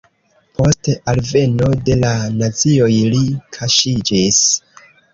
Post alveno de la nazioj li kaŝiĝis.